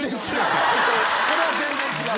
それは全然違う！